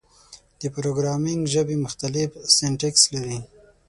د پروګرامینګ ژبې مختلف سینټکس لري.